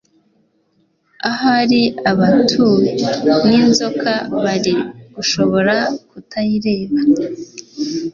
Ahari abantue n'inzoka bari gushobora kutayireba,